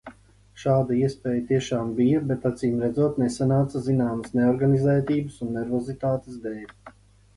Šāda iespēja tiešām bija, bet acīmredzot nesanāca zināmas neorganizētības un nervozitātes dēļ.